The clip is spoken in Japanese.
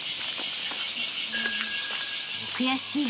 ［悔しい］